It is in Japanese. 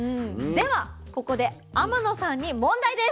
ではここで天野さんに問題です。